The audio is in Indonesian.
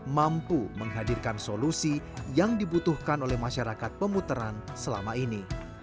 mampu menghadirkan solusi yang dibutuhkan oleh masyarakat pemuteran selama ini